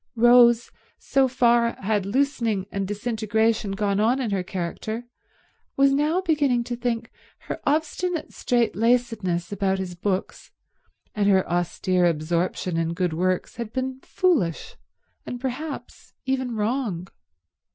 Rose, so far had loosening and disintegration gone on in her character, now was beginning to think her obstinate strait lacedness about his books and her austere absorption in good works had been foolish and perhaps even wrong.